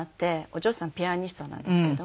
お嬢さんピアニストなんですけども。